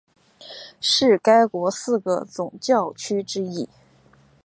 是该国四个总教区之一。